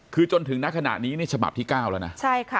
คือจนถึงณขณะนี้นี่ฉบับที่๙แล้วนะใช่ค่ะ